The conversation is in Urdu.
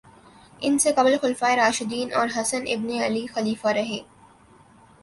ان سے قبل خلفائے راشدین اور حسن ابن علی خلیفہ رہے